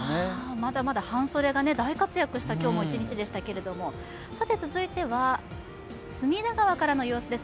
まだまだ半袖が大活躍した今日一日でしたけれども、続いては隅田川からの様子です。